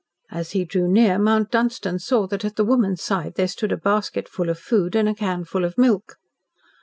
As he drew near, Mount Dunstan saw that at the woman's side there stood a basket full of food and a can full of milk.